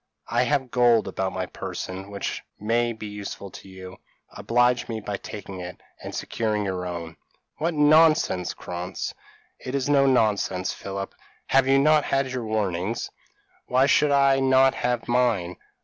I have gold about my person which may be useful to you; oblige me by taking it, and securing it on your own." "What nonsense, Krantz." "It is no nonsense, Philip. Have you not had your warnings? Why should I not have mine?